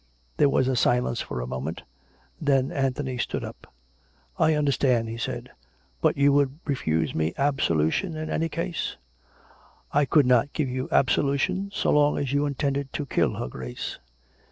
There was silence for a moment. Then Anthony stood up. " I understand/' he said. " But you would refuse me absolution in any case? "" I could not give you absolution so long as you intended to kill her Grace."